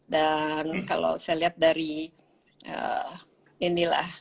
dan kalau saya lihat dari inilah